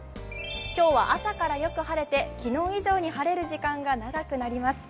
今日は朝からよく晴れて昨日以上に晴れる時間が長くなります。